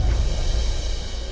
mama beli nanti aku panggil